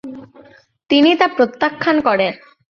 তিনি তা প্রত্যাখ্যান করেন।